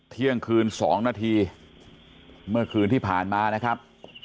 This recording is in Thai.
เที่ยงคืน๒นาทีเมื่อคืนที่ผ่านมานะครับ